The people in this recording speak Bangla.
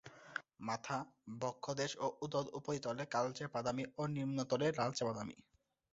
মাথা, বক্ষদেশ ও উদর উপরিতলে কালচে বাদামি ও নিম্নতলে লালচে বাদামি।